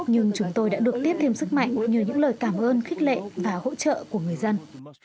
nhưng chúng tôi đã được tiếp thêm sức mạnh nhờ những lời cảm ơn khích lệ và hỗ trợ của người dân